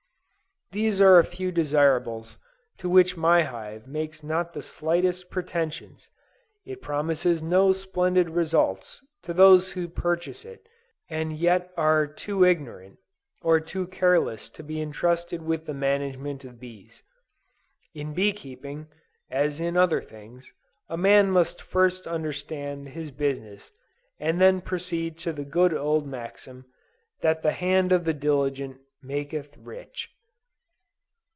There are a few desirables to which my hive makes not the slightest pretensions! It promises no splendid results to those who purchase it, and yet are too ignorant, or too careless to be entrusted with the management of bees. In bee keeping, as in other things, a man must first understand his business, and then proceed on the good old maxim, that "the hand of the diligent maketh rich."